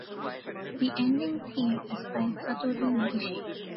The ending theme is by Satori Negishi.